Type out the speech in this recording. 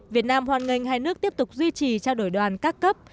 việt nam hoàn ngành hai nước tiếp tục duy trì trao đổi đoàn các cấp